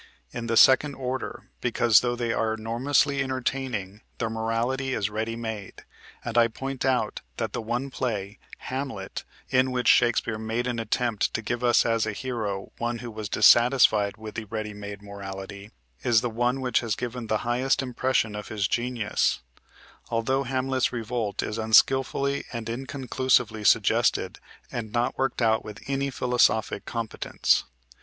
in the second order, because, tho they are enormously entertaining, their morality is ready made; and I point out that the one play, "Hamlet," in which Shakespeare made an attempt to give as a hero one who was dissatisfied with the ready made morality, is the one which has given the highest impression of his genius, altho Hamlet's revolt is unskillfully and inconclusively suggested and not worked out with any philosophic competence.